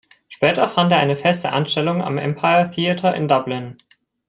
Später fand er eine feste Anstellung am Empire Theater in Dublin.